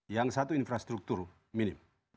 yang satu infrastruktur minim